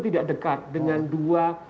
tidak dekat dengan dua